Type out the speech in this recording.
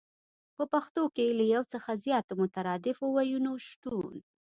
په پښتو کې له يو څخه زياتو مترادفو ويونو شتون